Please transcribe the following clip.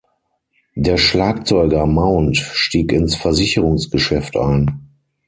Der Schlagzeuger Mount stieg ins Versicherungsgeschäft ein.